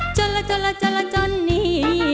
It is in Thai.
เจ็ดละเจิดละจนนี้